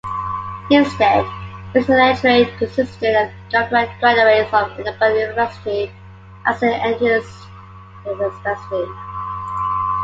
Instead, its electorate consisted of the graduates of Edinburgh University and Saint Andrews University.